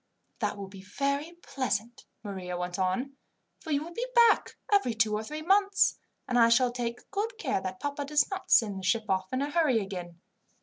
"That will be very pleasant," Maria went on; "for you will be back every two or three months, and I shall take good care that papa does not send the ship off in a hurry again.